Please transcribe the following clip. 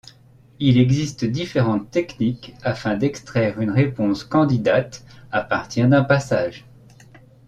Il existe différentes techniques afin d'extraire une réponse candidates à partir d'un passage.